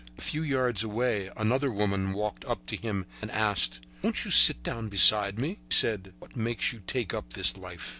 A few yards away another woman walked up to him and asked: "Won't you sit down beside me?" He said: "What makes you take up this life?"